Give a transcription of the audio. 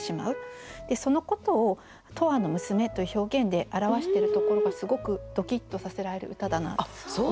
そのことを「永久の娘」という表現で表してるところがすごくドキッとさせられる歌だなと思いました。